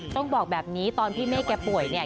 ต้องบอกแบบนี้ตอนพี่เมฆแกป่วยเนี่ย